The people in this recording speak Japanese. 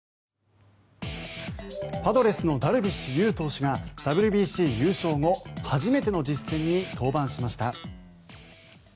パドレスのダルビッシュ有投手がＷＢＣ優勝後初めての実戦に登板しました。